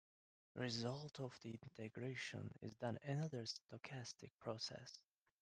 The result of the integration is then another stochastic process.